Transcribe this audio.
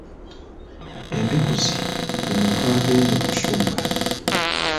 Embikuzi ye muntu agenze okusunga.